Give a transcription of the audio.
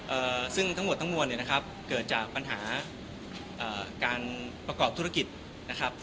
เอ่อซึ่งทั้งหมดทั้งมวลเนี่ยนะครับเกิดจากปัญหาเอ่อการประกอบธุรกิจนะครับ